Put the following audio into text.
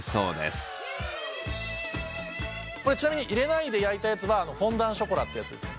ちなみに入れないで焼いたやつはフォンダンショコラってやつですね。